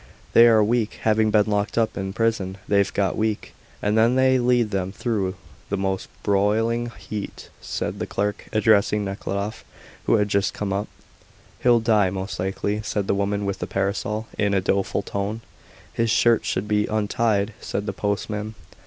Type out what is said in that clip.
"They are weak. Having been locked up in prison they've got weak, and then they lead them through the most broiling heat," said the clerk, addressing Nekhludoff, who had just come up. "He'll die, most likely," said the woman with the parasol, in a doleful tone. "His shirt should be untied," said the postman.